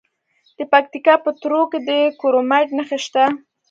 د پکتیکا په تروو کې د کرومایټ نښې شته.